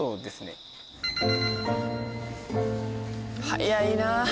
早いなあ。